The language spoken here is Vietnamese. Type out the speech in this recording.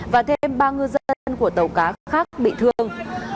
và thêm ba ngư dân của tàu cá khác bị thương